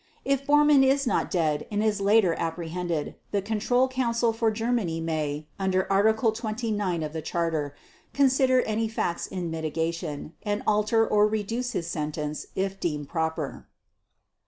If Bormann is not dead and is later apprehended, the Control Council for Germany may, under Article 29 of the Charter, consider any facts in mitigation, and alter or reduce his sentence, if deemed proper.